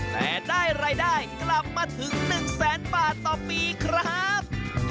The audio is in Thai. แต่ได้รายได้กลับมาถึง๑แสนบาทต่อปีครับ